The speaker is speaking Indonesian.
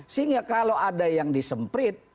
sehingga kalau ada yang disemprit